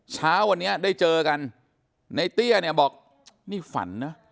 เช้าวันนี้ได้เจอกันในเตี้ยเนี่ยบอกนี่ฝันนะ